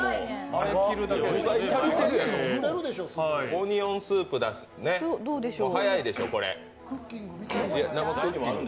オニオンスープ、早いでしょう？